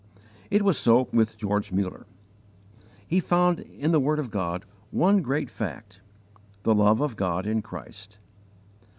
It was so with George Muller. He found in the word of God one great fact: the love of God in Christ.